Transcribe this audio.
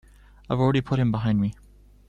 I've already put him behind me.